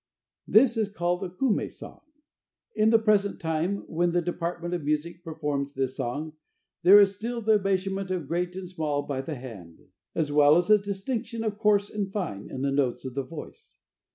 This is called a Kume song. At the present time, when the department of music performs this song, there is still the measurement of great and small by the hand, as well as a distinction of coarse and fine in the notes of the voice.